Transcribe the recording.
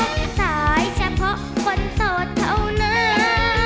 จะตายเฉพาะคนโสดเท่านั้น